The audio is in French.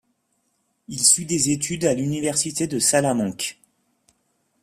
Il suit des études à l'université de Salamanque.